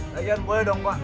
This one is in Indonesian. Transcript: lagi lagi boleh dong pak